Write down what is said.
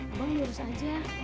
abang lurus aja